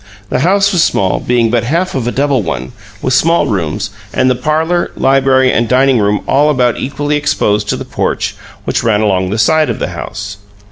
The house was small, being but half of a double one, with small rooms, and the "parlor," library, and dining room all about equally exposed to the porch which ran along the side of the house.